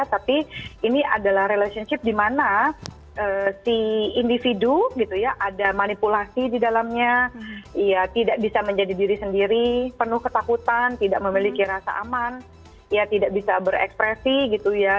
tapi ini adalah relationship di mana si individu gitu ya ada manipulasi di dalamnya ya tidak bisa menjadi diri sendiri penuh ketakutan tidak memiliki rasa aman ya tidak bisa berekspresi gitu ya